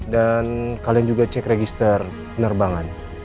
dan kalian juga cek register penerbangan